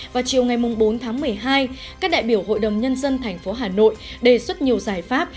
vào chiều ngày bốn tháng một mươi hai các đại biểu hội đồng nhân dân thành phố hà nội đề xuất nhiều giải pháp